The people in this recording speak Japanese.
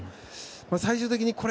最終的にこれ！